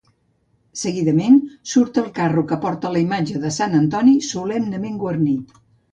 Seguidament surt el carro que porta la imatge de sant Antoni solemnement guarnit.